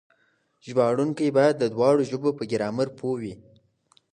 ژباړونکي بايد د دواړو ژبو په ګرامر پوه وي.